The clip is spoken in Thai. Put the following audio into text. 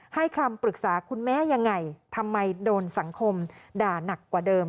ให้คำปรึกษาคุณแม่ยังไงทำไมโดนสังคมด่านักกว่าเดิม